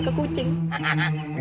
ke kucing hahaha